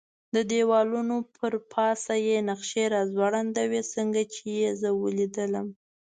د دېوالونو پر پاسه یې نقشې را ځوړندې وې، څنګه چې یې زه ولیدلم.